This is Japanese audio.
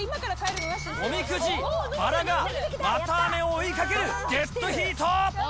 おみくじ、バラが綿あめを追いかけるデッドヒート！